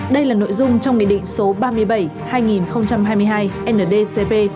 đây là nội dung trong nghị định số ba mươi bảy hai nghìn hai mươi hai ndcp